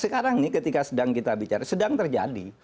sekarang ini ketika sedang kita bicara sedang terjadi